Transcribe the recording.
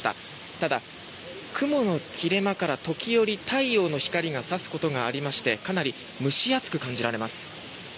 ただ、雲の切れ間から時折太陽の光が差すことがありましてかなり蒸し暑く感じられます。